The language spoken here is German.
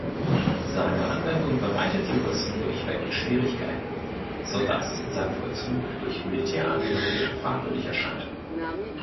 Seine Anwendung bereitet Juristen durchweg Schwierigkeiten, so dass sein Vollzug durch Militärangehörige fragwürdig erscheint.